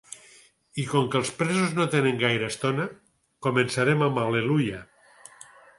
I com que els presos no tenen gaire estona, començarem amb “Al·leluia”.